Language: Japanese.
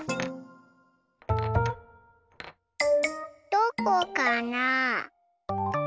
どこかな？